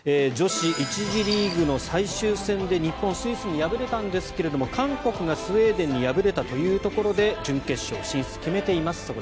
女子１次リーグの最終戦で日本はスイスに敗れたんですが韓国がスウェーデンに敗れたというところで準決勝進出決めています。